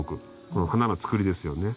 この花のつくりですよね。